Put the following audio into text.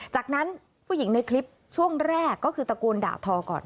จากนั้นผู้หญิงในคลิปช่วงแรกก็คือตะโกนด่าทอก่อน